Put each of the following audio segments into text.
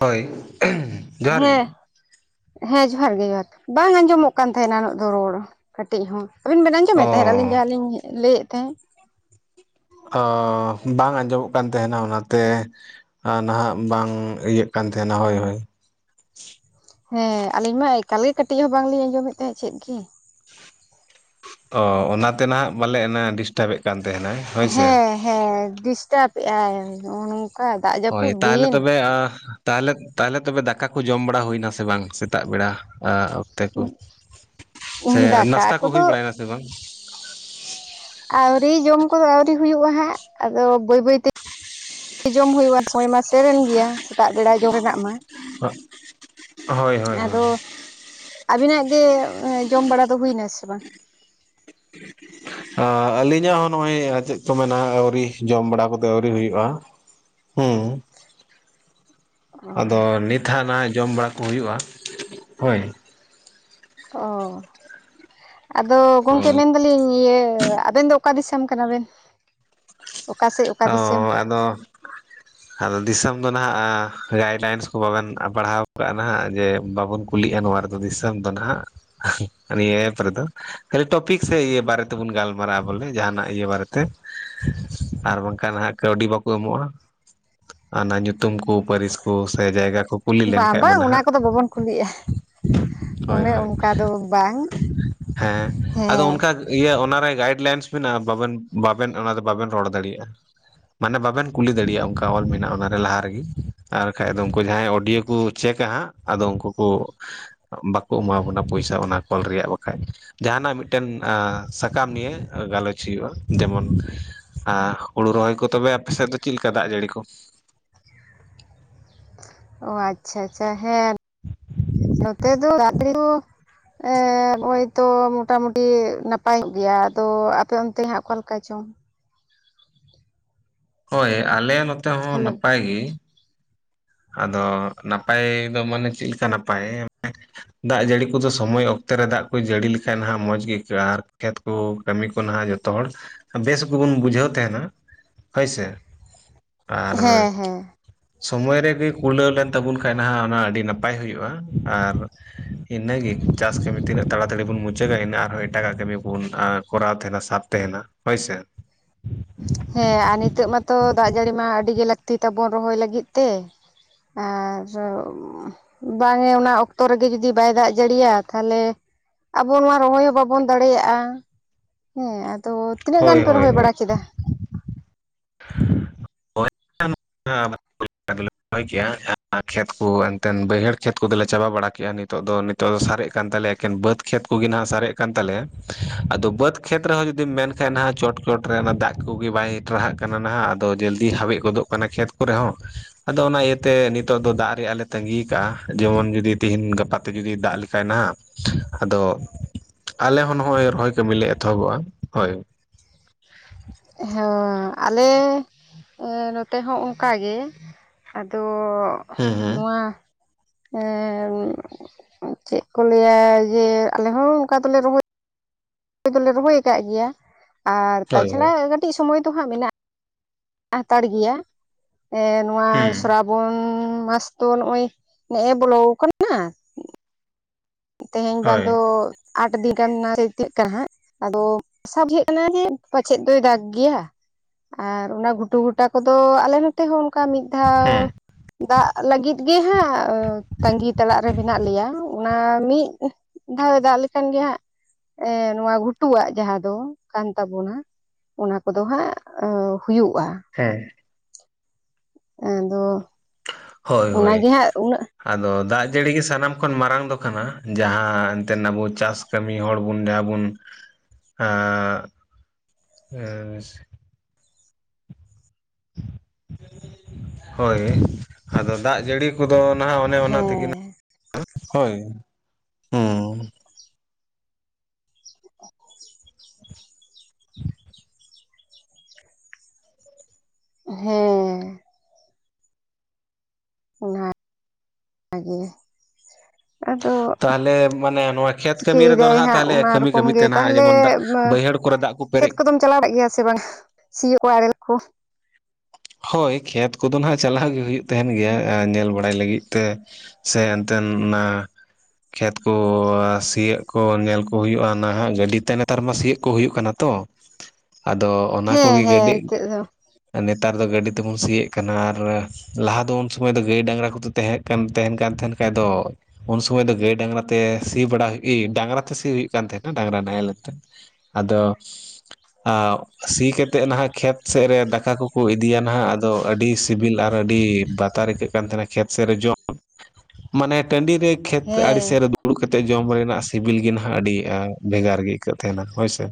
ᱦᱳᱭ ᱡᱚᱦᱟᱨ ᱜᱮ᱾ ᱦᱮᱸ ᱦᱮᱸ ᱡᱚᱦᱟᱨ ᱜᱮ ᱡᱚᱦᱟᱨ ᱜᱮ, ᱵᱟᱝ ᱟᱸᱡᱚᱢᱚᱜ ᱠᱟᱱ ᱛᱟᱦᱮᱸᱱᱟ ᱩᱱᱟᱹᱜ ᱫᱚ ᱨᱚᱲ ᱠᱟᱹᱴᱤᱡ ᱦᱚᱸ᱾ ᱟᱵᱤᱱ ᱵᱮᱱ ᱟᱸᱡᱚᱢᱮᱫ ᱛᱟᱦᱮᱸᱫ ᱟᱹᱞᱤᱧ ᱚ ᱡᱟᱦᱟᱸᱞᱤᱧ ᱞᱟᱹᱭᱮᱫ ᱛᱟᱦᱮᱸᱱ? ᱚᱻ ᱵᱟᱝ ᱟᱸᱡᱚᱢᱚᱜ ᱠᱟᱱ ᱛᱟᱦᱮᱱᱟ ᱚᱱᱟᱛᱮ ᱟᱨ ᱱᱟᱦᱟᱜ ᱵᱟᱝ ᱤᱭᱟᱹᱜ ᱠᱟᱱ ᱛᱟᱦᱮᱱᱟ ᱦᱳᱭ ᱦᱳᱭ᱾ ᱦᱮᱸ ᱟᱞᱤᱧ ᱢᱟ ᱮᱠᱟᱞ ᱜᱮ ᱠᱟᱹᱴᱤᱡ ᱦᱚᱸ ᱵᱟᱝ ᱞᱤᱧ ᱟᱸᱡᱚᱢᱮᱫ ᱛᱟᱦᱮᱸᱱ ᱪᱮᱫ ᱜᱤ᱾ ᱚᱻ ᱚᱱᱟᱛᱮ ᱱᱟᱦᱟᱜ ᱵᱟᱞᱮ ᱚᱱᱟ ᱰᱤᱥᱴᱟᱵᱮᱫ ᱠᱟᱱ ᱛᱟᱦᱮᱱᱟᱭ᱾ ᱦᱳᱭ ᱥᱮ ᱦᱮᱸ ᱦᱮᱸ ᱰᱤᱥᱴᱟᱵᱭᱮᱫ ᱮᱜᱼᱟᱭ᱾ [inaudible] ᱦᱳᱭ ᱛᱟᱦᱞᱮ ᱛᱚᱵᱮ ᱟ ᱛᱟᱦᱚᱞᱮ ᱛᱟᱦᱚᱞᱮ ᱛᱚᱵᱮ ᱫᱟᱠᱟ ᱠᱩ ᱡᱚᱢ ᱵᱟᱲᱟ ᱦᱩᱭᱱᱟ ᱥᱮ ᱵᱟᱝ ᱥᱮᱛᱟᱜ ᱵᱮᱲᱟ? ᱟ ᱚᱠᱛᱮ ᱠᱚ ᱥᱮ ᱫᱟᱠᱟ ᱱᱟᱥᱛᱟ ᱠᱩ ᱦᱩᱭ ᱠᱚᱫᱚ ᱵᱟᱲᱟᱭᱮᱱᱟ ᱥᱮ ᱵᱟᱝ? ᱟᱹᱣᱨᱤ ᱡᱚᱢ ᱠᱚᱫᱚ ᱟᱹᱣᱨᱤ ᱦᱩᱭᱩᱜ-ᱟ ᱦᱟᱸᱜ, ᱟᱫᱚ ᱵᱟᱹᱭ ᱵᱟᱹᱭᱛᱮ ᱡᱚᱢ ᱦᱩᱭᱩᱜ-ᱟ ᱥᱚᱭ ᱢᱟ ᱥᱮᱨᱮᱱ ᱜᱮᱭᱟ ᱥᱮᱛᱟᱜ ᱵᱮᱲᱟ ᱡᱚᱢ ᱨᱮᱱᱟᱜ ᱢᱟ᱾ [inaudible] ᱦᱳᱭ ᱦᱳᱭ ᱟᱫᱚ ᱟᱵᱤᱱᱟᱜ ᱜᱮ ᱡᱚᱢ ᱵᱟᱲᱟ ᱫᱚ ᱦᱩᱭ ᱱᱟ ᱥᱮ ᱵᱟᱝ? [unintelligible] ᱟ ᱟᱹᱞᱤᱧᱟᱜ ᱦᱚᱸ ᱱᱚᱜ-ᱚᱭ ᱪᱮᱫ ᱠᱚ ᱢᱮᱱᱟ ᱟᱹᱣᱨᱤ ᱡᱚᱢ ᱵᱟᱲᱟ ᱠᱚᱫᱚ ᱟᱹᱣᱨᱤ ᱦᱩᱭᱩᱜ-ᱟ᱾ ᱦᱩᱸ ᱟᱫᱚ ᱱᱤᱛ ᱦᱟᱸᱜ ᱱᱟ ᱡᱚᱢ ᱵᱟᱲᱟ ᱠᱚ ᱦᱩᱭᱩᱜ-ᱟ ᱦᱳᱭ᱾ ᱚ ᱟᱫᱚ ᱜᱚᱝᱠᱮ ᱢᱮᱱ ᱚ ᱫᱟᱞᱤᱧ ᱤᱭᱟᱹ ᱟᱵᱮᱱ ᱫᱚ ᱚᱠᱟ ᱫᱤᱥᱚᱢ ᱠᱟᱱᱟ ᱵᱮᱱ? ᱚᱠᱟ ᱥᱮᱜ ᱚᱻ ᱟᱫᱚ ᱟᱫᱚ ᱫᱤᱥᱚᱢ ᱫᱚ ᱱᱟᱦᱟᱜ ᱜᱟᱭᱤᱰ ᱞᱟᱭᱤᱱᱥ ᱠᱚ ᱵᱟᱵᱮᱱ ᱯᱟᱲᱦᱟᱣ ᱟᱠᱟᱜ ᱱᱟᱦᱟᱜ ᱡᱮ ᱵᱟᱵᱚᱱ ᱠᱩᱞᱤᱜ-ᱟ ᱱᱚᱣᱟ ᱨᱮᱫᱚ ᱫᱤᱥᱚᱢ ᱫᱚ ᱱᱟᱦᱟᱜ᱾ ᱱᱤᱭᱟᱹ ᱮᱯ ᱨᱮᱫᱚ ᱠᱷᱟᱹᱞᱤ ᱴᱚᱯᱤᱠ ᱥᱮ ᱤᱭᱟᱹ ᱵᱟᱨᱮ ᱛᱮᱵᱚᱱ ᱜᱟᱞᱢᱟᱨᱟᱜ-ᱟ ᱵᱚᱞᱮ ᱡᱟᱦᱟᱱᱟᱜ ᱤᱭᱟᱹ ᱵᱟᱨᱮᱛᱮ, ᱟᱨ ᱵᱟᱝ ᱠᱷᱟᱱ ᱦᱟᱸᱜ ᱠᱟᱹᱣᱰᱤ ᱵᱟᱠᱚ ᱮᱢᱚᱜ-ᱟ, ᱚᱱᱟ ᱧᱩᱛᱩᱢ ᱠᱩ ᱯᱟᱹᱨᱤᱥ ᱠᱩ ᱥᱮ ᱡᱟᱭᱜᱟ ᱠᱩ ᱠᱩᱞᱤ ᱞᱮᱱ ᱵᱟᱝ ᱠᱷᱟᱱ ᱢᱟ ᱵᱟᱝ ᱱᱟᱦᱟᱜ, ᱚᱱᱟ ᱠᱚᱫᱚ ᱵᱟᱵᱚᱱ ᱠᱩᱞᱤᱜᱼᱟ ᱦᱳᱭ ᱚᱱᱮ ᱦᱳᱭ ᱚᱱᱠᱟ ᱫᱚ ᱵᱟᱝ ᱦᱮᱸ ᱟᱫᱚ ᱦᱮᱸ ᱚᱝᱠᱟ ᱤᱭᱟᱹ ᱚᱱᱟᱨᱮ ᱜᱟᱭᱤᱰ ᱞᱟᱭᱤᱱᱥ ᱢᱮᱱᱟᱜ-ᱟ ᱵᱟᱵᱮᱱ ᱵᱟᱵᱮᱱ ᱚᱱᱟ ᱨᱮ ᱵᱟᱵᱮᱱ ᱨᱚᱲ ᱫᱟᱲᱮᱭᱟᱜ-ᱟ᱾ ᱢᱟᱱᱮ ᱵᱟᱵᱮᱱ ᱠᱩᱞᱤ ᱫᱟᱲᱮᱭᱟᱜ-ᱟ ᱚᱱᱠᱟ ᱚᱞ ᱢᱮᱱᱟᱜ-ᱟ ᱚᱱᱟᱨᱮ ᱞᱟᱦᱟ ᱨᱮᱜᱤ, ᱟᱨ ᱠᱷᱟᱡ ᱫᱚ ᱩᱱᱠᱩ ᱡᱟᱦᱟᱸᱭ ᱚᱰᱤᱭᱳ ᱠᱩ ᱪᱮᱠᱟ ᱦᱟᱸᱜ ᱟᱫᱚ ᱩᱱᱠᱩ ᱠᱩ ᱵᱟᱠᱚ ᱮᱢᱟ ᱵᱚᱱᱟ ᱯᱚᱭᱥᱟ ᱚᱱᱟ ᱠᱚᱞ ᱨᱮᱭᱟᱜ ᱵᱟᱠᱷᱟᱡ᱾ ᱡᱟᱦᱟᱱᱟᱜ ᱢᱤᱫᱴᱮᱱ ᱟᱸ ᱥᱟᱠᱟᱢ ᱱᱤᱭᱮ ᱜᱟᱞᱚᱪ ᱦᱩᱭᱩᱜ-ᱟ, ᱡᱮᱢᱚᱱ ᱟᱸ ᱦᱩᱲᱩ ᱨᱚᱦᱚᱭ ᱠᱩ ᱛᱚᱵᱮ ᱟᱯᱮ ᱥᱮᱫ ᱫᱚ ᱪᱮᱫ ᱞᱮᱠᱟ ᱫᱟᱜ ᱡᱟᱹᱲᱤ ᱠᱩ? ᱚ ᱟᱪᱪᱷᱟ ᱟᱪᱪᱷᱟ ᱦᱮᱸ [unintelligible] ᱱᱚᱛᱮ ᱫᱚ ᱫᱟᱜ ᱡᱟᱹᱲᱤ ᱫᱚ ᱮ ᱱᱚᱜ-ᱚᱭ ᱛᱚ ᱢᱚᱴᱟ-ᱢᱩᱴᱤ ᱱᱟᱯᱟᱭᱚᱜ ᱜᱮᱭᱟ ᱟᱫᱚ ᱟᱯᱮ ᱚᱱᱛᱮ ᱦᱟᱸᱜ ᱚᱠᱟ ᱞᱮᱠᱟ ᱪᱚᱝ? ᱦᱚᱭ ᱟᱞᱮ ᱱᱚᱛᱮ ᱦᱚᱸ ᱦᱮᱞᱳ ᱱᱟᱯᱟᱭ ᱜᱤ᱾ ᱟᱫᱚ ᱱᱟᱯᱟᱭ ᱫᱚ ᱢᱟᱱᱮ ᱪᱮᱫ ᱞᱮᱠᱟ ᱱᱟᱯᱟᱭ? ᱫᱟᱜ ᱡᱟᱹᱲᱤ ᱠᱚᱫᱚ ᱥᱚᱢᱚᱭ ᱚᱠᱛᱮ ᱨᱮ ᱫᱟᱜ ᱠᱚ ᱡᱟᱹᱲᱤ ᱞᱮᱠᱷᱟᱡ ᱱᱟᱦᱟᱜ ᱢᱚᱸᱡᱽ ᱜᱤ ᱤᱹᱠᱟᱹᱜ-ᱟ ᱟᱨ ᱠᱷᱮᱛ ᱠᱩ ᱠᱟᱹᱢᱤ ᱠᱚ ᱱᱟᱦᱟᱜ ᱡᱚᱛᱚ ᱦᱚᱲ ᱵᱮᱥ ᱜᱮᱵᱚᱱ ᱵᱩᱡᱷᱟᱹᱣ ᱛᱟᱦᱮᱱᱟ᱾ ᱦᱳᱭ ᱥᱮ ᱟᱨ ᱦᱮᱸ ᱦᱮᱸ ᱥᱚᱢᱚᱭ ᱨᱮ ᱜᱮ ᱠᱩᱞᱟᱹᱣ ᱞᱮᱱ ᱛᱟᱵᱚᱱ ᱠᱷᱟᱱ ᱱᱟᱦᱟᱜ ᱚᱱᱟ ᱟᱹᱰᱤ ᱱᱟᱯᱟᱭ ᱦᱩᱭᱩᱜ-ᱟ ᱟᱨ ᱤᱱᱟᱹᱜᱮ ᱪᱟᱥ ᱠᱟᱹᱢᱤ ᱛᱤᱱᱟᱹᱜ ᱛᱟᱲᱟᱛᱟᱲᱤ ᱵᱚᱱ ᱢᱩᱪᱟᱹᱫᱼᱟ, ᱤᱱᱟᱹᱜ ᱟᱨᱦᱚᱸ ᱮᱴᱟᱜᱟᱜ ᱠᱟᱹᱢᱤ ᱵᱚᱱ ᱟᱨ ᱠᱚᱨᱟᱣ ᱛᱟᱦᱮᱱᱟ ᱥᱟᱵ ᱛᱟᱦᱮᱱᱟ ᱦᱳᱭᱥᱮ। ᱦᱮᱸ ᱟᱨ ᱱᱤᱛᱚᱜ ᱢᱟᱛᱚ ᱫᱟᱜ ᱡᱟᱹᱲᱤ ᱢᱟ ᱟᱹᱰᱤ ᱜᱮ ᱞᱟᱹᱠᱛᱤ ᱛᱟᱵᱚᱱ ᱨᱚᱦᱚᱭ ᱞᱟᱹᱜᱤᱫ ᱛᱮ ᱾ [unintelligible] ᱵᱟᱝ ᱮ ᱚᱱᱟ ᱚᱠᱛᱚ ᱨᱮᱜᱮ ᱡᱩᱫᱤ ᱵᱟᱭ ᱫᱟᱜ ᱡᱟᱹᱲᱤᱭᱟ ᱛᱟᱦᱚᱞᱮ ᱟᱵᱚ ᱱᱚᱶᱟ ᱨᱚᱦᱚᱭ ᱦᱚᱸ ᱵᱟᱵᱚᱱ ᱫᱟᱲᱮᱭᱟᱜᱼᱟ, ᱦᱮᱸ ᱟᱫᱚ ᱛᱤᱱᱟᱹᱜ ᱦᱳᱭ ᱜᱟᱱ ᱯᱮ ᱦᱳᱭ ᱨᱚᱦᱚᱭ ᱦᱳᱭ ᱵᱟᱲᱟ ᱠᱮᱫᱟ? [unintelligible] [unintelligible] ᱠᱷᱮᱛ ᱠᱚ ᱮᱱᱛᱮᱫ ᱵᱟᱹᱭᱦᱟᱹᱲ ᱠᱷᱮᱛ ᱠᱚᱫᱚᱞᱮ ᱪᱟᱵᱟ ᱵᱟᱲᱟ ᱠᱮᱜᱼᱟ ᱱᱤᱛᱚᱜ ᱫᱚ ᱫᱚ ᱥᱟᱨᱮᱜ ᱠᱟᱱ ᱛᱟᱞᱮᱭᱟ ᱮᱠᱮᱱ ᱵᱟᱹᱫᱽ ᱠᱷᱮᱛ ᱠᱚᱜᱮ ᱦᱟᱜ ᱥᱟᱨᱮᱡ ᱠᱟᱱ ᱛᱟᱞᱮᱭᱟ ᱟᱫᱚ ᱵᱟᱹᱫᱽ ᱠᱷᱮᱛ ᱨᱮᱦᱚᱸ ᱡᱩᱫᱤᱢ ᱢᱮᱱ ᱠᱷᱟᱱᱡ ᱱᱟᱦ ᱪᱚᱴ ᱪᱚᱴ ᱨᱮ ᱚᱱᱟ ᱫᱟᱜ ᱠᱚᱜᱮ ᱵᱟᱭ ᱴᱨᱟᱦᱟᱜ ᱠᱟᱱᱟ। ᱠᱟᱱᱟ ᱱᱟᱦᱟᱜ ᱟᱫᱚ ᱡᱚᱞᱫᱤ ᱦᱟᱣᱮᱫ ᱜᱚᱫᱚᱜ ᱠᱟᱱᱟ ᱠᱷᱮᱛ ᱠᱚᱨᱮ ᱦᱚᱸ। ᱟᱫᱚ ᱚᱱᱟ ᱤᱭᱟᱹᱛᱮ ᱱᱤᱛᱚᱜ ᱫᱚ ᱫᱟᱜ ᱨᱮᱭᱟᱜ ᱞᱮ ᱛᱟᱸᱜᱤ ᱠᱟᱜᱼᱟ, ᱡᱮᱢᱚᱱ ᱡᱩᱫᱤ ᱛᱤᱦᱤᱧ ᱜᱟᱯᱟ ᱛᱮ ᱡᱩᱫᱤ ᱫᱟᱜ ᱞᱮᱠᱷᱟᱡ ᱱᱟᱦᱟᱜ ᱟᱫᱚ ᱟᱞᱮ ᱦᱚᱸ ᱱᱚᱜᱼᱚᱭ ᱨᱚᱦᱚᱭ ᱠᱟᱹᱢᱤᱞᱮ ᱮᱛᱚᱦᱚᱵᱚᱜᱼᱟ ᱦᱳᱭ। ᱦᱮᱸ ᱟᱞᱮ ᱱᱚᱛᱮ ᱦᱚᱸ ᱚᱱᱠᱟᱜᱮ ᱟᱫᱚ ᱦᱩᱸ ᱦᱩᱸ ᱱᱚᱣᱟ ᱮᱸ ᱪᱮᱫ ᱠᱚ ᱞᱟᱭᱟ ᱡᱮ ᱟᱞᱮ ᱦᱚᱸ ᱚᱱᱠᱟ ᱫᱚᱞᱮ ᱨᱚᱦᱚᱭ ᱨᱚᱦᱚᱭ ᱫᱚᱞᱮ ᱨᱚᱦᱚᱭ ᱟᱠᱟᱫ ᱜᱮᱭᱟ, ᱟᱨ ᱦᱳᱭ ᱛᱟᱪᱷᱟᱲᱟ ᱠᱟᱹᱴᱤᱡ ᱥᱚᱢᱚᱭ ᱫᱚ ᱦᱟᱸᱜ ᱢᱮᱱᱟᱜ ᱦᱟᱛᱟᱲ ᱜᱮᱭᱟ ᱮᱸ ᱱᱚᱣᱟ ᱦᱳᱭ ᱦᱩᱸ ᱥᱨᱟᱵᱚᱱ ᱢᱟᱥ ᱫᱚ ᱱᱚᱜ ᱚᱭ ᱱᱮᱜ ᱮ ᱵᱚᱞᱚ ᱟᱠᱟᱱᱟ। ᱛᱮᱦᱮᱧ ᱵᱟᱝ ᱦᱳᱭ ᱫᱚ ᱟᱴ ᱫᱤᱱ ᱜᱟᱱᱟ ᱛᱤᱱᱟᱹᱜ ᱠᱟᱱᱟ ᱦᱟᱸᱜ। ᱟᱫᱚ ᱥᱟᱵ ᱦᱩᱭᱩᱜ ᱠᱟᱱᱟ ᱡᱮ ᱯᱟᱪᱷᱮᱫ ᱫᱚᱭ ᱫᱟᱜᱽ ᱜᱮᱭᱟ। ᱟᱨ ᱚᱱᱟ ᱜᱷᱩᱴᱩ ᱜᱷᱩᱴᱟ ᱠᱚᱫᱚ ᱟᱞᱮ ᱱᱚᱛᱮ ᱦᱚᱸ ᱚᱱᱠᱟ ᱢᱤᱫ ᱫᱷᱟᱣ ᱦᱮᱸ ᱫᱟᱜ ᱞᱟᱹᱜᱤᱫ ᱜᱮ ᱦᱟᱸᱜ ᱛᱟᱸᱜᱤ ᱛᱟᱲᱟᱜ ᱨᱮ ᱢᱮᱱᱟᱜ ᱞᱮᱭᱟ ᱚᱱᱟ ᱢᱤᱫ ᱫᱷᱟᱣ ᱮ ᱫᱟᱜ ᱞᱮᱠᱟᱱ ᱜᱮ ᱦᱟᱸᱜ ᱮᱸ ᱱᱚᱣᱟ ᱜᱷᱩᱴᱩᱣᱟᱜ ᱡᱟᱦᱟᱸ ᱫᱚ ᱠᱟᱱ ᱛᱟᱵᱚᱱᱟ ᱚᱱᱟ ᱠᱚᱫᱚ ᱦᱟᱸᱜ ᱦᱩᱭᱩᱜᱼᱟ। ᱦᱮᱸ। ᱟᱫᱚ ᱦᱳᱭ ᱦᱳᱭ। ᱚᱱᱟᱜᱮ ᱦᱟᱸᱜ ᱩᱱᱟᱹᱜ ᱟᱫᱚ ᱫᱟᱜ ᱡᱟᱹᱲᱤ ᱜᱮ ᱥᱟᱱᱟᱢ ᱠᱷᱚᱱ ᱢᱟᱨᱟᱝ ᱫᱚ ᱠᱟᱱᱟ ᱡᱟᱦᱟᱸ ᱮᱱᱛᱮᱫ ᱟᱵᱚ ᱪᱟᱥ ᱠᱟᱹᱢᱤ ᱦᱚᱲ ᱵᱚᱱ ᱡᱟᱦᱟᱸ ᱵᱚᱱ ᱮᱸᱜ ᱮᱥ ᱦᱳᱭ ᱟᱫᱚ ᱫᱟᱜ ᱡᱟᱹᱲᱤ ᱠᱚᱫᱚ ᱱᱟᱦᱟᱜ ᱚᱱᱮ ᱚᱱᱟ ᱛᱮᱜᱮ ᱦᱮᱸ [unintelligible] ᱦᱳᱭ ᱦᱩᱸ ᱾ [inaudible] [inaudible] ᱦᱮᱸ। ᱚᱱᱟ ᱜᱮ। ᱛᱟᱦᱚᱞᱮ ᱢᱟᱱᱮ ᱱᱚᱣᱟ ᱠᱷᱮᱛ ᱠᱟᱹᱢᱤ ᱨᱮᱫᱚ ᱪᱤᱠᱟᱹᱭᱮᱫᱟᱭ ᱦᱟᱜ ᱦᱟᱸᱜ ᱛᱟᱦᱚᱞᱮ ᱚᱱᱟ ᱠᱟᱹᱢᱤ ᱨᱚᱠᱚᱢ ᱜᱮ ᱠᱟᱹᱢᱤᱛᱮ ᱱᱟᱦᱟᱜ ᱛᱟᱦᱚᱞᱮ ᱡᱮᱢᱚᱱ ᱫᱟᱜ ᱵᱟᱹᱭᱦᱟᱹᱲ ᱠᱚᱨᱮ ᱫᱟᱜ ᱠᱚᱯᱮ ᱠᱷᱮᱛ ᱠᱚᱫᱚᱢ ᱪᱟᱞᱟᱣ ᱵᱟᱲᱟ ᱜᱮᱭᱟ ᱥᱮ ᱵᱟᱝ-ᱟ ᱥᱤᱭᱳᱜ ᱟᱲᱮ ᱞᱟᱜ ᱠᱚ? ᱦᱳᱭ ᱠᱷᱮᱛ ᱠᱚᱫᱚ ᱱᱟᱦᱟᱜ ᱪᱟᱞᱟᱣ ᱜᱮ ᱦᱩᱭᱩᱜ ᱛᱟᱦᱮᱱ ᱜᱮᱭᱟ ᱟ ᱧᱮᱞ ᱵᱟᱲᱟᱭ ᱞᱟᱹᱜᱤᱫ ᱛᱮ᱾ ᱥᱮ ᱮᱱᱛᱮᱱ ᱚᱱᱟᱼᱼ ᱠᱷᱮᱛ ᱠᱚ ᱥᱤᱭᱳᱜ ᱠᱚ ᱧᱮᱞ ᱠᱚ ᱦᱩᱭᱩᱜ-ᱟ ᱱᱟᱦᱟᱜ ᱜᱟᱹᱰᱤ ᱛᱮ ᱱᱮᱛᱟᱨ ᱢᱟ ᱥᱤᱭᱳᱜ ᱠᱚ ᱦᱩᱭᱩᱜ ᱠᱟᱱᱟ ᱛᱚ᱾ ᱟᱫᱚ ᱚᱱᱟ ᱦᱮᱸ ᱠᱚᱜᱮ ᱦᱮᱸ ᱜᱟᱹᱰᱤ ᱱᱤᱛᱚᱜ ᱫᱚ ᱟ ᱱᱮᱼᱼ ᱛᱟᱨ ᱫᱚ ᱜᱟᱹᱰᱤ ᱛᱮ ᱵᱚᱱ ᱥᱤᱭᱮᱜ ᱠᱟᱱᱟ ᱟᱨᱚ ᱞᱟᱦᱟ ᱫᱚ ᱩᱱ ᱥᱩᱢᱟᱹᱭ ᱫᱚ ᱜᱟᱹᱭ ᱰᱟᱝᱨᱟ ᱠᱚᱫᱚ ᱛᱮᱦᱮᱸ ᱠᱟᱱ ᱛᱮᱦᱮᱱ ᱠᱟᱱ ᱛᱮᱦᱮᱱ ᱠᱷᱟᱡ ᱱᱮᱛᱟᱨ ᱫᱚ ᱩᱱ ᱥᱩᱢᱟᱹᱭ ᱫᱚ ᱜᱟᱹᱭ ᱰᱟᱝᱨᱟ ᱛᱮ ᱥᱤ ᱵᱟᱲᱟ ᱦᱩᱭ ᱰᱟᱝᱨᱟ ᱛᱮ ᱥᱤ ᱦᱩᱭᱩᱜ ᱠᱟᱱ ᱛᱮᱦᱮᱸᱱᱟ ᱰᱟᱝᱨᱟ ᱱᱟᱦᱮᱞ ᱛᱮ᱾ ᱟᱫᱚ ᱥᱤ ᱠᱟᱛᱮᱜ ᱱᱟᱦᱟᱜ ᱠᱷᱮᱛ ᱥᱮᱫ ᱨᱮ ᱫᱟᱠᱟ ᱠᱚ ᱠᱚ ᱤᱫᱤ ᱭᱟ ᱱᱟᱦᱟᱜ ᱟᱫᱚ ᱟᱹᱰᱤ ᱥᱤᱵᱤᱞ ᱟᱨ ᱟᱹᱰᱤ ᱵᱟᱛᱟᱨ ᱟᱹᱭᱠᱟᱹᱜ ᱠᱟᱱ ᱛᱟᱦᱮᱱᱟ ᱠᱷᱮᱛ ᱥᱮᱫ ᱨᱮ ᱡᱚᱢ᱾ ᱢᱟᱱᱮ ᱴᱟᱺᱰᱤ ᱨᱮ ᱠᱷᱮᱛ ᱟᱲᱤ ᱦᱮᱸ ᱥᱮᱜ ᱨᱮ ᱫᱩᱲᱩᱵ ᱠᱟᱛᱮᱜ ᱡᱚᱢ ᱨᱮᱱᱟᱜ ᱥᱤᱵᱤᱞ ᱜᱮ ᱱᱟᱦᱟᱜ ᱟᱹᱰᱤ ᱟ ᱵᱷᱮᱜᱟᱨ ᱜᱮ ᱟᱹᱭᱠᱟᱹᱜ ᱛᱟᱦᱮᱱᱟ ᱦᱳᱭ ᱥᱮ᱾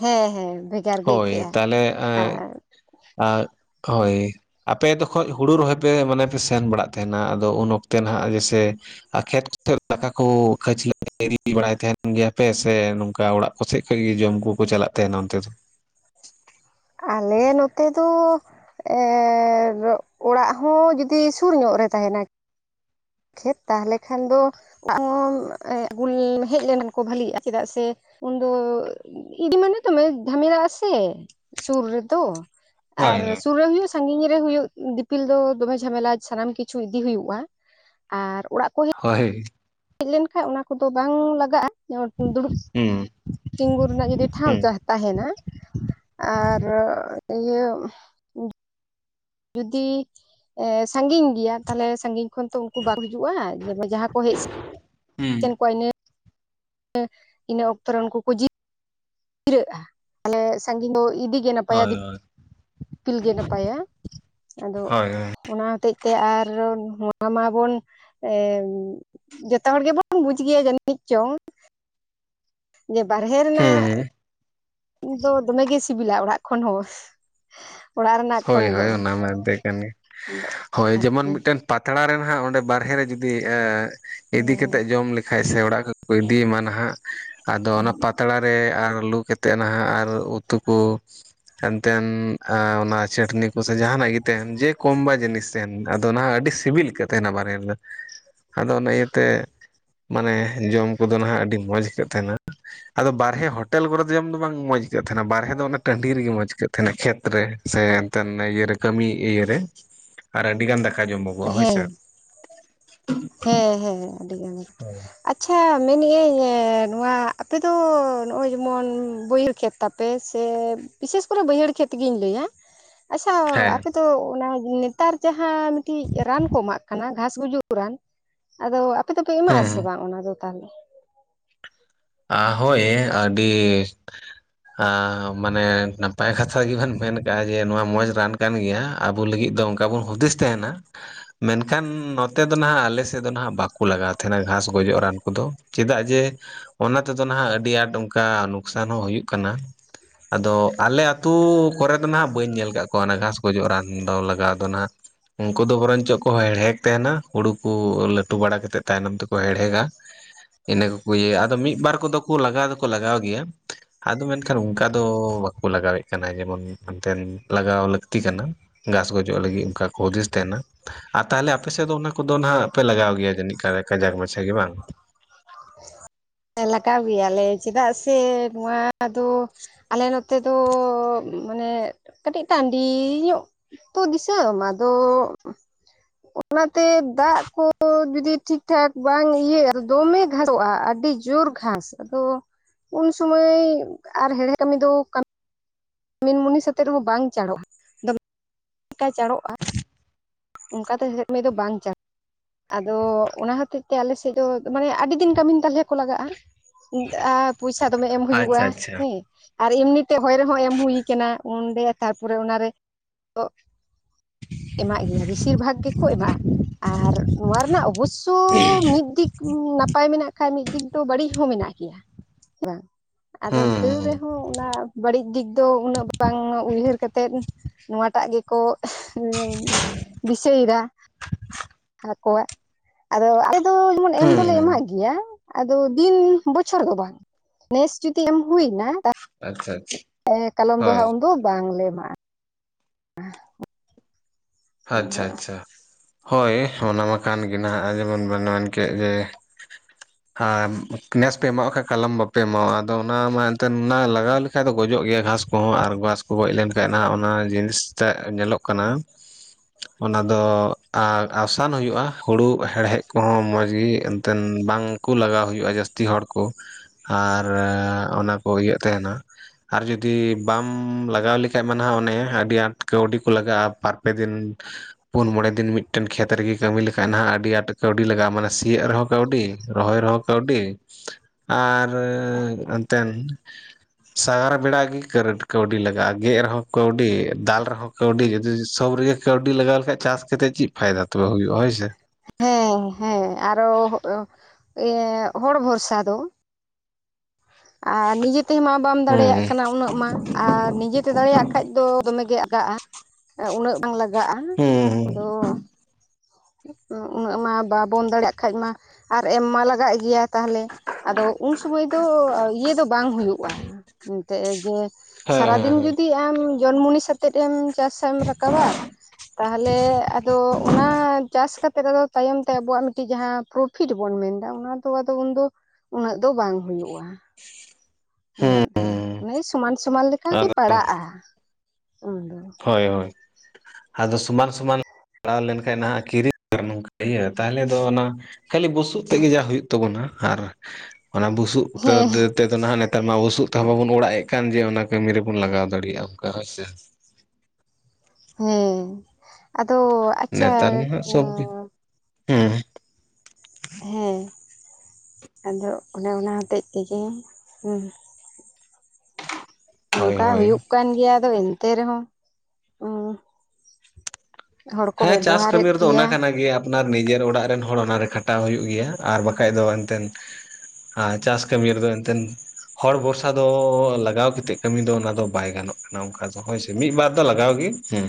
ᱦᱮᱸ ᱦᱮᱸ ᱵᱷᱮᱜᱟᱨ ᱜᱮ ᱦᱳᱭ ᱟᱹᱭᱠᱟᱹᱜ-ᱟ ᱛᱟᱦᱚᱞᱮ ᱟᱨ ᱟᱨ ᱦᱳᱭ᱾ ᱟᱯᱮ ᱫᱚᱠᱷᱚᱡ ᱦᱩᱲᱩ ᱨᱚᱦᱚᱭ ᱯᱮ ᱢᱟᱱᱮ ᱯᱮ ᱥᱮᱱ ᱵᱟᱲᱟᱜ ᱛᱮᱦᱮᱱᱟ ᱟᱫᱚ ᱩᱱ ᱚᱠᱛᱮ ᱱᱟᱦᱟᱜ ᱥᱮ ᱟᱨ ᱠᱷᱮᱛ ᱠᱚᱛᱮ ᱫᱟᱠᱟ ᱠᱚ ᱠᱷᱟᱹᱪᱞᱟᱹᱜ ᱤᱫᱤ ᱵᱟᱲᱟᱭ ᱛᱟᱦᱮᱱ ᱜᱮᱭᱟ ᱯᱮ ᱥᱮ ᱱᱚᱝᱠᱟ ᱚᱲᱟᱜ ᱠᱚ ᱥᱮᱡ ᱠᱷᱚᱡ ᱜᱮ ᱡᱚᱢ ᱠᱚᱠᱚ ᱪᱟᱞᱟᱜ ᱛᱟᱦᱮᱱᱟ ᱚᱱᱛᱮ ᱫᱚ? ᱟᱞᱮ ᱱᱚᱛᱮ ᱫᱚ ᱮᱜᱻ ᱚᱲᱟᱜ ᱦᱚᱸ ᱡᱩᱫᱤ ᱥᱩᱨ ᱧᱚᱜ ᱨᱮ ᱛᱟᱦᱮᱱᱟ ᱠᱷᱮᱛ ᱛᱟᱦᱚᱞᱮ ᱠᱷᱟᱱ ᱫᱚ [inaudible] ᱜᱩᱞ ᱦᱮᱡ ᱞᱮᱱ ᱠᱚ ᱵᱷᱟᱞᱤᱜ-ᱟ ᱪᱮᱫᱟᱜ ᱥᱮ ᱩᱱ ᱫᱚ ᱤᱫᱤ ᱢᱟᱱᱮ ᱫᱚᱢᱮ ᱡᱷᱟᱢᱮᱞᱟᱜ ᱟ ᱥᱮ ᱥᱩᱨ ᱨᱮ ᱫᱚ᱾ ᱦᱳᱭ ᱟᱨ ᱥᱩᱨ ᱨᱮ ᱦᱩᱭᱩᱜ ᱥᱟᱺᱜᱤᱧ ᱨᱮ ᱦᱩᱭᱩᱜ ᱫᱤᱯᱤᱞ ᱫᱚ ᱫᱚᱢᱮ ᱡᱷᱟᱢᱮᱞᱟ ᱥᱟᱱᱟᱢ ᱠᱤᱪᱷᱩ ᱤᱫᱤ ᱦᱩᱭᱩᱜ-ᱟ᱾ ᱟᱨ ᱚᱲᱟᱜ ᱠᱚ ᱦᱮᱜ ᱦᱚᱭ᱾ ᱦᱮᱡ ᱞᱮᱱᱠᱷᱟᱡ ᱚᱱᱟ ᱠᱚᱫᱚ ᱵᱟᱝ ᱞᱟᱜᱟᱜ-ᱟ ᱮᱸ ᱫᱩᱲᱩᱵ ᱦᱩᱸ᱾ ᱛᱤᱸᱜᱩ ᱨᱮᱱᱟᱜ ᱡᱩᱫᱤ ᱴᱷᱟᱶ ᱦᱩᱸ ᱪᱟ ᱛᱟᱦᱮᱱᱟ ᱟᱨ ᱤᱭᱟᱹ ᱡᱩᱫᱤ ᱮ ᱥᱟᱸᱜᱤᱧ ᱜᱮᱭᱟ᱾ ᱛᱟᱦᱚᱞᱮ ᱥᱟᱸᱜᱤᱧ ᱠᱷᱚᱱ ᱛᱚ ᱩᱱᱠᱩ ᱵᱟᱠᱚ ᱦᱤᱡᱩᱜ-ᱟ ᱡᱮᱢᱚᱱ ᱡᱟᱦᱟᱸ ᱠᱚ ᱦᱮᱡ ᱦᱩᱸ ᱥᱮ ᱠᱚᱜ-ᱟ ᱤᱱᱟᱹ ᱟᱹ ᱤᱱᱟᱹ ᱚᱠᱛᱚ ᱨᱮᱱ ᱩᱱᱠᱩ ᱡᱤ [inaudible] ᱟᱞᱮ‌ ᱥᱟᱸᱜᱤᱧ ᱫᱚ ᱤᱫᱤᱜ ᱜᱮ ᱱᱟᱯᱟᱭᱟ ᱦᱳᱭ ᱫᱤᱯ ᱦᱳᱭ ᱯᱤᱞ ᱜᱮ ᱱᱟᱯᱟᱭᱟ ᱟᱫᱚ ᱦᱳᱭ ᱦᱳᱭ ᱚᱱᱟ ᱦᱚᱛᱮᱡ ᱛᱮ ᱟᱨ ᱱᱚᱣᱟ ᱢᱟ ᱵᱚᱱ ᱮ ᱡᱚᱛᱚ ᱦᱚᱲ ᱜᱮᱵᱚᱱ ᱵᱩᱡ ᱜᱮᱭᱟ ᱡᱟᱹᱱᱤᱡ ᱪᱚᱝ ᱡᱮ ᱵᱟᱨᱦᱮ ᱨᱮᱱᱟᱜ ᱦᱮᱸ ᱫᱚ ᱫᱚᱢᱮ ᱜᱮ ᱥᱤᱵᱤᱞᱟ ᱚᱲᱟᱜ ᱠᱷᱚᱱ ᱦᱚᱸ᱾ ᱚᱲᱟᱜ ᱨᱮᱱᱟᱜ ᱦᱳᱭ ᱠᱷᱚᱱ ᱦᱳᱭ ᱫᱚ ᱚᱱᱟ ᱢᱟ ᱮᱱᱛᱮᱜ ᱠᱟᱱ ᱜᱮ᱾ ᱦᱳᱭ ᱡᱮᱢᱚᱱ ᱟᱨᱠᱤ ᱢᱤᱫᱴᱮᱱ ᱯᱟᱛᱲᱟ ᱨᱮ ᱦᱟᱸᱜ ᱚᱸᱰᱮ ᱵᱟᱨᱦᱮ ᱨᱮ ᱡᱩᱫᱤ ᱮᱜ ᱤᱫᱤ ᱦᱮᱸ ᱠᱟᱛᱮᱜ ᱡᱚᱢ ᱞᱮᱠᱷᱟᱡ ᱥᱮ ᱚᱲᱟᱜ ᱠᱷᱚᱡ ᱠᱚ ᱤᱫᱤᱭ ᱢᱟ ᱱᱟᱦᱟᱜ ᱟᱫᱚ ᱚᱱᱟ ᱯᱟᱛ ᱛᱟᱲᱟ ᱨᱮ ᱟᱨ ᱞᱩ ᱠᱟᱛᱮᱜ ᱱᱟᱦᱟᱜ ᱟᱨ ᱩᱛᱩ ᱠᱚ ᱮᱱᱛᱮᱱ ᱟᱻ ᱚᱱᱟ ᱪᱟᱹᱴᱱᱤ ᱠᱚ ᱥᱮ ᱡᱟᱦᱟᱸ ᱱᱟᱜ ᱜᱮ ᱛᱮᱦᱮᱱ ᱡᱮ ᱠᱚᱢ ᱵᱟ ᱡᱤᱱᱤᱥ ᱛᱮᱦᱮᱱ ᱟᱫᱚ ᱱᱟᱦᱟᱜ ᱟᱹᱰᱤ ᱥᱤᱵᱤᱞ ᱠᱟᱹᱜ ᱛᱟᱦᱮᱱᱟ ᱵᱟᱨᱦᱮ ᱨᱮᱫᱚ᱾ ᱟᱫᱚ ᱚᱱᱟ ᱤᱭᱟᱹ ᱛᱮ ᱢᱟᱱᱮ ᱡᱚᱢ ᱠᱚᱫᱚ ᱱᱟᱦᱟᱜ ᱟᱹᱰᱤ ᱢᱚᱡᱽ ᱟᱹᱭᱠᱟᱹᱜ ᱛᱟᱦᱮᱱᱟ᱾ ᱟᱫᱚ ᱵᱟᱨᱦᱮ ᱦᱚᱴᱮᱞ ᱠᱚᱨᱮ ᱫᱚ ᱡᱚᱢ ᱫᱚ ᱵᱟᱝ ᱢᱚᱡ ᱟᱹᱭᱠᱟᱹᱜ ᱛᱟᱦᱮᱱᱟ ᱵᱟᱨᱦᱮ ᱫᱚ ᱚᱱᱟ ᱴᱟᱺᱰᱤ ᱨᱮᱜᱮ ᱢᱚᱪ ᱟᱹᱭᱠᱟᱹᱜ ᱛᱟᱦᱮᱱᱟ ᱠᱷᱮᱛ ᱨᱮ ᱥᱮ ᱛᱮᱱ ᱤᱭᱟᱹ ᱨᱮ ᱠᱟᱹᱢᱤ ᱤᱭᱟ ᱨᱮᱟᱨ ᱟᱹᱰᱤ ᱜᱟᱱ ᱫᱟᱠᱟ ᱡᱚᱢᱚᱜᱚᱜ-ᱟ ᱦᱚᱭ ᱦᱮᱸ ᱥᱮ᱾ ᱦᱮᱸ ᱦᱮᱸ ᱟᱹᱰᱤᱜᱟᱱ ᱜᱮ ᱾ [inaudible] ᱟᱪᱪᱷᱟ ᱢᱮᱱᱮᱜ ᱟᱹᱧ ᱮ ᱱᱚᱣᱟ ᱟᱯᱮ ᱫᱚ ᱱᱚᱜ-ᱚᱭ ᱡᱮᱢᱚᱱ ᱵᱟ. ᱭᱦᱟᱹᱲ ᱠᱷᱮᱛ ᱛᱟᱯᱮ ᱥᱮ ᱵᱤᱥᱮᱥ ᱠᱚᱨᱮ ᱵᱟᱹᱭᱦᱟᱹᱲ ᱠᱷᱮᱛ ᱜᱤᱧ ᱞᱟᱹᱭᱟ᱾ ᱟᱪᱪᱷᱟ ᱦᱮᱸ ᱟᱯᱮ ᱫᱚ ᱚᱱᱟ ᱱᱮᱛᱟᱨ ᱡᱟᱦᱟᱸ ᱢᱤᱫᱴᱤᱡ ᱨᱟᱱ ᱠᱚ ᱮᱢᱟᱜ ᱠᱟᱱᱟ ᱜᱷᱟᱸᱥ ᱜᱩᱡᱩᱜ ᱨᱟᱱ᱾ ᱟᱫᱚ ᱟᱯᱮ ᱫᱚᱯᱮ ᱮᱢᱟᱜ ᱦᱮᱸ ᱟᱥᱮ ᱵᱟᱝ ᱚᱱᱟᱫᱚ ᱛᱟᱦᱚᱞᱮ? ᱟᱸ ᱦᱳᱭ ᱟᱹᱰᱤ ᱟᱸ ᱢᱟᱱᱮ ᱱᱟᱯᱟᱭ ᱠᱟᱛᱷᱟ ᱜᱮᱵᱮᱱ ᱢᱮᱱ ᱠᱟᱜᱼᱟ ᱡᱮ ᱱᱚᱣᱟ ᱢᱚᱸᱡᱽ ᱨᱟᱱ ᱠᱟᱱ ᱜᱮᱭᱟ ᱟᱵᱚ ᱞᱟᱹᱜᱤᱫ ᱫᱚ ᱚᱱᱠᱟ ᱵᱚᱱ ᱦᱩᱫᱤᱥ ᱛᱟᱦᱮᱸᱱᱟ᱾ ᱢᱮᱱᱠᱷᱟᱱ ᱱᱚᱛᱮ ᱫᱚ ᱱᱟᱜ ᱟᱞᱮ ᱥᱮᱫ ᱫᱚ ᱱᱟᱦᱟᱸᱜ ᱵᱟᱠᱚ ᱞᱟᱜᱟᱣ ᱛᱮᱦᱮᱸᱱᱟ ᱜᱷᱟᱥ ᱜᱚᱡᱚᱜ ᱨᱟᱱ ᱠᱚᱫᱚ᱾ ᱪᱮᱫᱟᱜ ᱡᱮ ᱚᱱᱟ ᱛᱮᱫᱚ ᱱᱟᱦᱟᱸᱜ ᱟᱹᱰᱤ ᱟᱸᱴ ᱩᱝᱠᱟ ᱱᱩᱠᱥᱟᱱ ᱦᱚᱸ ᱦᱩᱭᱩᱜ ᱠᱟᱱᱟ᱾ ᱟᱫᱚ ᱟᱞᱮ ᱟᱹᱛᱩ ᱠᱚᱨᱮ ᱫᱚᱱ ᱦᱟᱸᱜ ᱵᱟᱹᱧ ᱧᱮᱞ ᱠᱟᱫ ᱠᱚᱣᱟ ᱚᱱᱟ ᱜᱷᱟᱥ ᱜᱚᱡᱚᱜ ᱨᱟᱱ ᱫᱚ ᱞᱟᱜᱟᱣ ᱫᱚᱱ ᱦᱟᱸᱜ᱾ ᱩᱱᱠᱩ ᱫᱚ ᱵᱚᱨᱚᱱᱪᱚ ᱟᱠᱚ ᱦᱚᱸ ᱦᱮᱲᱦᱮᱜ ᱛᱮᱦᱮᱸᱱᱟ ᱦᱩᱲᱩ ᱠᱩ ᱞᱟᱹᱴᱩ ᱵᱟᱲᱟ ᱠᱟᱛᱮᱫ ᱛᱟᱭᱱᱚᱢ ᱛᱮᱠᱚ ᱦᱮᱲᱦᱮᱜᱼᱟ᱾ ᱤᱱᱟᱹ ᱠᱚᱠᱚ ᱤᱭᱟᱹᱭᱟ ᱟᱫᱚ ᱢᱤᱫᱵᱟᱨ ᱠᱚᱫᱚ ᱠᱚ ᱞᱟᱜᱟᱣ ᱫᱚᱠᱚ ᱞᱟᱜᱟᱣ ᱜᱮᱭᱟ᱾ ᱟᱫᱚ ᱢᱮᱱᱠᱷᱟᱱ ᱩᱝᱠᱟ ᱫᱚ ᱵᱟᱠᱚ ᱞᱟᱜᱟᱣᱮᱫ ᱠᱟᱱᱟ ᱡᱮᱢᱚᱱ ᱦᱟᱱᱛᱮ ᱞᱟᱜᱟᱣ ᱞᱟᱹᱠᱛᱤ ᱠᱟᱱᱟ᱾ ᱜᱷᱟᱥ ᱜᱚᱡᱚᱜ ᱞᱟᱹᱜᱤᱫ ᱚᱱᱠᱟ ᱠᱚ ᱦᱩᱫᱤᱥ ᱛᱮᱦᱮᱸᱱᱟ ᱟᱨ ᱛᱟᱦᱚᱞᱮ ᱟᱯᱮᱥᱮᱫ ᱫᱚ ᱚᱱᱟ ᱠᱚᱫᱚᱱ ᱦᱟᱸᱜ ᱯᱮ ᱞᱟᱜᱟᱣ ᱜᱮᱭᱟ ᱡᱟᱹᱱᱤᱡ ᱠᱟᱨ ᱠᱟᱡᱟᱠ ᱢᱟᱪᱷᱟ ᱜᱮ ᱵᱟᱝ? ᱞᱟᱜᱟᱣ ᱜᱮᱭᱟᱞᱮ ᱪᱮᱫᱟᱜ ᱥᱮ ᱱᱚᱣᱟ ᱫᱚ ᱟᱞᱮ ᱱᱚᱛᱮ ᱫᱚ ᱢᱟᱱᱮ ᱠᱟᱹᱴᱤᱡ ᱴᱟᱺᱰᱤ ᱧᱚᱜ ᱛᱩ ᱫᱤᱥᱟᱹᱢ ᱟᱫᱚ ᱚᱱᱟᱛᱮ ᱫᱟᱜ ᱠᱚ ᱡᱩᱫᱤ ᱴᱷᱤᱠ ᱴᱷᱟᱠ ᱵᱟᱝ ᱤᱭᱟᱹᱜᱼᱟ ᱫᱚᱢᱮ ᱜᱷᱟᱥᱚᱜᱼᱟ ᱟᱰᱤ ᱡᱳᱨ ᱜᱷᱟᱥ ᱟᱫᱚ ᱩᱱᱥᱩᱢᱟᱹᱭ ᱟᱨ ᱦᱮᱲᱦᱮ ᱠᱟᱹᱢᱤ ᱫᱚ ᱠᱟᱢ ᱢᱤᱱᱢᱩᱱᱤ ᱥᱟᱛᱮᱜ ᱨᱮᱦᱚᱸ ᱵᱟᱝ ᱪᱟᱬᱚᱜᱼᱟ᱾ ᱠᱟᱭ ᱪᱟᱨᱚᱜᱼᱟ ᱚᱝᱠᱟᱛᱮ ᱦᱮᱫ ᱢᱮᱫ ᱫᱚ ᱵᱟᱝ ᱪᱟᱨ ᱟᱫᱚ ᱚᱱᱟ ᱦᱚᱛᱮᱡ ᱛᱮ ᱟᱞᱮᱥᱮᱫ ᱫᱚ ᱢᱟᱱᱮ ᱟᱹᱰᱤ ᱫᱤᱱ ᱠᱟᱹᱢᱤᱱ ᱛᱟᱞᱦᱮ ᱠᱚ ᱞᱟᱜᱟᱜᱼᱟ᱾ ᱩᱸᱫ ᱟ ᱯᱚᱭᱥᱟ ᱫᱚᱢᱮ ᱮᱢ ᱦᱩᱭᱩᱜᱼᱟ ᱟᱪᱪᱷᱟ ᱟᱪᱪᱷᱟ ᱦᱮᱸ᱾ ᱟᱨ ᱮᱢᱱᱤᱛᱮ ᱦᱚᱭ ᱨᱮᱦᱚᱸ ᱮᱢ ᱦᱩᱭ ᱠᱟᱱᱟ ᱩᱸᱰᱮ ᱛᱟᱨᱯᱚᱨᱮ ᱚᱱᱟᱨᱮ ᱛᱚᱜ [inaudible] ᱮᱢᱟᱜ ᱜᱮᱭᱟ ᱵᱮᱥᱤᱨ ᱵᱷᱟᱜᱽ ᱜᱮᱠᱚ ᱮᱢᱟᱜᱼᱟ ᱟᱨ ᱱᱚᱣᱟ ᱨᱮᱱᱟᱜ ᱚᱵᱚᱥᱥᱚ ᱢᱤᱫ ᱫᱤᱠ ᱠᱩ ᱱᱟᱯᱟᱭ ᱢᱮᱱᱟᱜ ᱠᱷᱟᱡ ᱢᱤᱫ ᱫᱤᱠ ᱫᱚ ᱵᱟᱹᱲᱤᱡ ᱦᱚᱸ ᱢᱮᱱᱟᱜ ᱜᱮᱭᱟ ᱵᱟᱝ? ᱟᱫᱚ ᱛᱟᱹᱣ ᱦᱩᱸ ᱨᱮᱦᱚᱸ ᱚᱱᱟ ᱵᱟᱹᱲᱤᱡ ᱫᱤᱠ ᱫᱚ ᱩᱱᱟᱹᱜ ᱵᱟᱝ ᱩᱭᱦᱟᱹᱨ ᱠᱟᱛᱮᱱ ᱱᱚᱣᱟᱴᱟᱜ ᱜᱮᱠᱚ ᱫᱤᱥᱟᱹᱭ ᱫᱟ ᱟᱠᱚᱣᱟᱜ ᱟᱫᱚ ᱟ ᱫᱚ ᱡᱮᱢᱚᱱ ᱮᱢ ᱫᱚᱞᱮ ᱦᱩᱸ ᱮᱢᱟᱜ ᱜᱤᱭᱟ ᱟᱫᱚ ᱫᱤᱱ ᱵᱚᱪᱷᱚᱨ ᱫᱚ ᱵᱟᱝ ᱱᱮᱥ ᱡᱩᱫᱤ ᱮᱢ ᱦᱩᱭᱱᱟ ᱛᱟᱦ ᱟᱪᱪᱷᱟ ᱟᱪᱪᱷᱟ ᱮᱸ ᱠᱟᱞᱚᱢ ᱫᱚ ᱦᱳᱭ ᱦᱟᱸᱜ ᱩᱱᱫᱚ ᱵᱟᱝᱞᱮ ᱮᱢᱟᱜᱼᱟ᱾ ᱟᱪᱪᱷᱟ ᱟᱪᱪᱷᱟ ᱦᱳᱭ ᱚᱱᱟ ᱢᱟ ᱠᱟᱱ ᱜᱮ ᱱᱟᱦᱟᱸᱜ ᱟ ᱡᱮᱢᱚᱱ ᱵᱮᱱ ᱢᱮᱱ ᱠᱮᱫ ᱡᱮ ᱟᱨ ᱱᱮᱥ ᱯᱮ ᱮᱢᱟᱣ ᱟᱜ ᱠᱷᱟᱡ ᱠᱟᱞᱚᱢ ᱵᱟᱯᱮ ᱮᱢᱟᱣ ᱟᱜᱼᱟ ᱟᱫᱚ ᱚᱱᱟ ᱢᱟ ᱮᱱᱛᱮᱱ ᱚᱱᱟ ᱞᱟᱜᱟᱣ ᱞᱟᱹᱜ ᱠᱷᱟᱡ ᱫᱚ ᱜᱚᱡᱚᱜ ᱜᱮᱭᱟ ᱜᱷᱟᱥ ᱠᱚᱦᱚᱸ ᱟᱨ ᱜᱷᱟᱥ ᱠᱚ ᱜᱚᱡ ᱞᱮᱱᱠᱷᱟᱡ ᱱᱟᱦᱟᱸᱜ ᱚᱱᱟ ᱡᱤᱱᱤᱥ ᱴᱟᱜ ᱧᱮᱞᱚᱜ ᱠᱟᱱᱟ ᱚᱱᱟ ᱫᱚ ᱟᱨ ᱟᱥᱟᱱ ᱦᱩᱭᱩᱜᱼᱟ ᱦᱩᱲᱩ ᱦᱮᱲᱦᱮᱫ ᱠᱚᱦᱚᱸ ᱢᱚᱡᱽ ᱜᱤ ᱮᱱᱛᱮᱱ ᱵᱟᱝ ᱠᱩ ᱞᱟᱜᱟᱣ ᱦᱩᱭᱩᱜᱼᱟ ᱡᱟᱹᱥᱛᱤ ᱦᱚᱲ ᱠᱚ ᱟᱨ ᱚᱱᱟ ᱠᱚ ᱤᱭᱟᱹᱜ ᱛᱮᱦᱮᱸᱱᱟ ᱟᱨ ᱡᱩᱫᱤ ᱵᱟᱢ ᱞᱟᱜᱟᱣ ᱞᱮᱠᱷᱟᱡ ᱢᱟ ᱱᱟᱦᱟᱸᱜ ᱚᱱᱮ ᱟᱹᱰᱤ ᱟᱸᱴ ᱠᱟᱹᱣᱰᱤ ᱠᱚ ᱞᱟᱜᱟᱜᱼᱟ ᱯᱟᱨᱠ ᱯᱮ ᱫᱤᱱ ᱯᱩᱱ ᱢᱚᱬᱮ ᱫᱤᱱ ᱢᱤᱫᱴᱮᱱ ᱠᱷᱮᱛ ᱨᱮᱜᱮ ᱠᱟᱹᱢᱤ ᱞᱮᱠᱷᱟᱡ ᱱᱟᱦᱟᱸᱜ ᱟᱹᱰᱤ ᱟᱸᱴ ᱠᱟᱹᱣᱰᱤ ᱞᱟᱜᱟᱜᱼᱟ ᱢᱟᱱᱮ ᱥᱤᱭᱟᱹᱜ ᱨᱮᱦᱚᱸ ᱠᱟᱹᱣᱰᱤ ᱨᱚᱦᱚᱭ ᱨᱮᱦᱚᱸ ᱠᱟᱹᱣᱰᱤ, ᱟᱨ ᱮᱱᱛᱮᱱ ᱥᱟᱦᱟᱨᱟ ᱵᱮᱲᱟ ᱜᱤ ᱠᱟᱨᱟᱹᱴ ᱠᱟᱹᱣᱰᱤ ᱞᱟᱜᱟᱜᱼᱟ ᱜᱮᱫ ᱨᱮᱦᱚᱸ ᱠᱟᱹᱣᱰᱤ ᱫᱟᱞ ᱨᱮᱦᱚᱸ ᱠᱟᱹᱣᱰᱤ ᱡᱩᱫᱤ ᱫᱤᱥ ᱥᱚᱵ ᱨᱮᱜᱮ ᱠᱟᱹᱣᱰᱤ ᱞᱟᱜᱟᱣ ᱞᱮᱠᱷᱟᱡ ᱪᱟᱥ ᱠᱟᱛᱮᱫ ᱪᱤᱫ ᱯᱷᱟᱭᱫᱟ ᱛᱚᱵᱮ ᱦᱩᱭᱩᱜᱼᱟ ᱦᱳᱭᱥᱮ᱾ ᱦᱮᱸ ᱦᱮᱸ ᱟᱨᱚ ᱤᱭᱮ ᱦᱚᱲ ᱵᱷᱚᱨᱥᱟ ᱫᱚ ᱟᱻ ᱱᱤᱡᱮ ᱛᱮᱢᱟ ᱵᱟᱢ ᱦᱩᱸ ᱫᱟᱲᱮᱭᱟᱜ ᱠᱟᱱᱟ ᱩᱱᱟᱹᱜ ᱢᱟ ᱟᱨ ᱱᱤᱡᱮᱛᱮ ᱫᱟᱲᱮᱭᱟᱜ ᱠᱷᱟᱡ ᱫᱚ ᱫᱚᱢᱮ ᱜᱮ ᱟᱜᱟᱜᱼᱟ᱾ ᱮ ᱩᱱᱟᱹᱜ ᱵᱟᱝ ᱞᱟᱜᱟᱜᱼᱟ ᱦᱩᱸ ᱦᱩᱸ ᱟᱫᱚ ᱩᱸ ᱩᱱᱟᱹᱜ ᱢᱟ ᱵᱟᱵᱚᱱ ᱫᱟᱲᱮᱭᱟᱜ ᱠᱷᱟᱡ ᱢᱟ ᱟᱨ ᱮᱢ ᱢᱟ ᱞᱟᱜᱟᱜ ᱜᱮᱭᱟ᱾ ᱛᱟᱦᱞᱮ ᱟᱫᱚ ᱩᱱ ᱥᱩᱢᱟᱹᱭ ᱫᱚ ᱤᱭᱟᱹ ᱫᱚ ᱵᱟᱝ ᱦᱩᱭᱩᱜᱼᱟ᱾ ᱮᱱᱛᱮ ᱡᱮ ᱦᱮᱸ ᱥᱟᱨᱟᱫᱤᱱ ᱦᱮᱸ ᱡᱩᱫᱤ ᱟᱢ ᱡᱚᱱᱢᱩᱱᱤ ᱥᱟᱛᱮᱫ ᱮᱢ ᱪᱟᱥ ᱮᱢ ᱨᱟᱠᱟᱵᱟ ᱛᱟᱦᱞᱮ ᱟᱫᱚ ᱚᱱᱟᱻ ᱪᱟᱥ ᱠᱟᱛᱮ ᱫᱚ ᱟᱫᱚ ᱛᱟᱭᱚᱢ ᱛᱮ ᱟᱵᱚᱣᱟᱜ ᱢᱤᱫᱴᱤ ᱡᱟᱦᱟᱸ ᱯᱨᱚᱯᱷᱤᱴ ᱵᱚᱱ ᱢᱮᱱᱫᱟ ᱚᱱᱟ ᱫᱚ ᱟᱫᱟ ᱩᱱ ᱫᱚ ᱩᱱᱟᱹᱜ ᱫᱚ ᱵᱟᱝ ᱦᱩᱭᱩᱜᱼᱟ᱾ ᱩᱱᱟᱹᱜ ᱫᱚ ᱦᱮᱸ ᱚᱱᱮ ᱥᱚᱢᱟᱱ ᱥᱚᱢᱟᱱ ᱞᱮᱠᱟᱜᱤ ᱟᱫᱚ ᱯᱟᱲᱟᱜᱼᱟ ᱩᱱᱫᱚ᱾ ᱦᱳᱭ ᱦᱳᱭ ᱟᱫᱚ ᱥᱩᱢᱟᱱ ᱥᱩᱢᱟᱱ ᱯᱟᱲᱟᱣ ᱞᱮᱱᱠᱷᱟᱡ ᱱᱟᱦᱟᱜ ᱠᱤᱨᱤᱧ ᱱᱚᱝᱠᱟ ᱤᱭᱟᱹ ᱛᱟᱦᱞᱮ ᱫᱚ ᱚᱱᱟ ᱠᱷᱟᱹᱞᱤ ᱵᱩᱥᱩᱵ ᱛᱮᱜᱮ ᱡᱟ ᱦᱩᱭᱩᱜ ᱛᱟᱵᱚᱱᱟ ᱟᱨ ᱚᱱᱟ ᱵᱩᱥᱩᱵ ᱛᱮ ᱦᱮᱸ ᱫᱮ ᱛᱮ ᱫᱚ ᱱᱟᱦᱟᱜ ᱱᱮᱛᱟᱨ ᱢᱟ ᱵᱩᱥᱩᱵ ᱛᱮᱦᱚᱸ ᱵᱟᱵᱚᱱ ᱚᱲᱟᱜ ᱮᱜ ᱠᱟᱱ ᱡᱮ ᱚᱱᱟ ᱠᱟᱹᱢᱤ ᱨᱮᱵᱚᱱ ᱞᱟᱜᱟᱣ ᱫᱟᱲᱤᱭᱟᱜᱼᱟ ᱚᱱᱠᱟ ᱦᱳᱭ ᱥᱮ ᱾ ᱦᱮᱸ ᱟᱫᱚ ᱟᱪᱪᱷᱟ ᱩᱸ ᱦᱩᱸ ᱦᱮᱸ ᱟᱫᱚ ᱚᱱᱮ ᱚᱱᱟ ᱦᱚᱛᱮᱡ ᱛᱮᱜᱮ ᱦᱩᱸ ᱦᱳᱭ ᱚᱱᱠᱟ ᱦᱳᱭ ᱦᱩᱭᱩᱜ ᱠᱟᱱ ᱜᱮᱭᱟ ᱟᱫᱚ ᱮᱱᱛᱮ ᱨᱮᱦᱚᱸ ᱩᱸ ᱦᱮᱸ ᱪᱟᱥ ᱠᱟᱹᱢᱤ ᱨᱮᱫᱚ ᱚᱱᱟ ᱠᱟᱱᱟ ᱜᱮᱭᱟ᱾ ᱚᱱᱟ ᱱᱤᱡᱮᱨ ᱚᱲᱟᱜ ᱨᱮᱱ ᱦᱚᱲ ᱚᱱᱟᱨᱮ ᱠᱷᱟᱴᱟᱣ ᱦᱩᱭᱩᱜ ᱜᱮᱭᱟ ᱟᱨ ᱵᱟᱠᱷᱟᱡ ᱫᱚ ᱮᱱᱛᱮᱱ ᱾ ᱟᱸ ᱪᱟᱥ ᱠᱟᱹᱢᱤ ᱨᱮᱫᱚ ᱮᱱᱛᱮᱱ ᱦᱚᱲ ᱵᱷᱚᱨᱥᱟ ᱫᱚᱻ ᱞᱟᱜᱟᱣ ᱠᱟᱛᱮᱫ ᱠᱟᱹᱢᱤ ᱫᱚ ᱚᱱᱟ ᱫᱚ ᱵᱟᱭ ᱜᱟᱱᱚᱜ ᱠᱟᱱᱟ ᱚᱱᱠᱟ ᱨᱚᱦᱚᱭ ᱥᱮ ᱢᱤᱜᱼᱵᱟᱨ ᱫᱚ ᱞᱟᱜᱟᱣ ᱜᱮ ᱦᱩᱸ